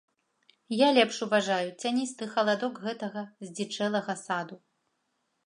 Я лепш уважаю цяністы халадок гэтага здзічэлага саду.